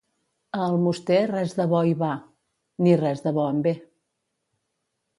A Almoster res de bo hi va, ni res de bo en ve.